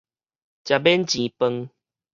食免錢飯